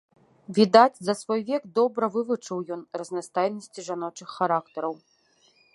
Відаць, за свой век добра вывучыў ён разнастайнасці жаночых характараў.